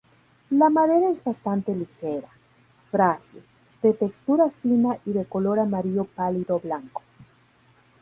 La madera es bastante ligera, frágil, de textura fina y de color amarillo pálido-blanco.